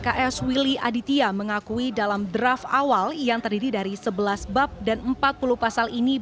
pks willy aditya mengakui dalam draft awal yang terdiri dari sebelas bab dan empat puluh pasal ini